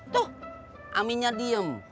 tuh aminnya diem